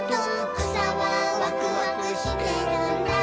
「くさはワクワクしてるんだ」